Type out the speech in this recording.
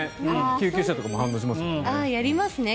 救急車とかも反応しますね。